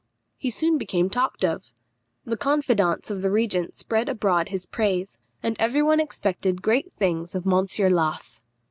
He soon became talked of. The confidants of the regent spread abroad his praise, and every one expected great things of Monsieur Lass.